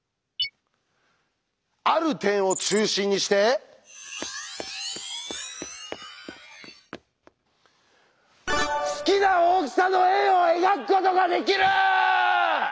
「ある点を中心にして好きな大きさの円を描くことができる」！